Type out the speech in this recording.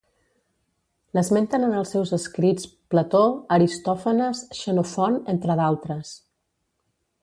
L'esmenten en els seus escrits Plató, Aristòfanes, Xenofont entre d'altres.